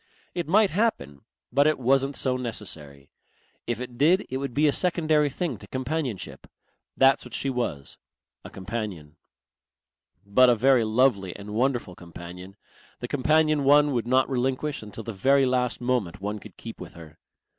It might happen, but it wasn't so necessary.... If it did it would be a secondary thing to companionship. That's what she was, a companion. But a very lovely and wonderful companion, the companion one would not relinquish until the very last moment one could keep with her.